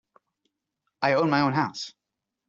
I own my own house.